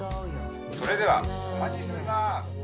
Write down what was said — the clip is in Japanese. ☎それではお待ちしております。